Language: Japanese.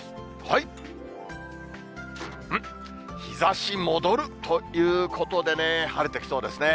はい、ん、日ざし戻るということでね、晴れてきそうですね。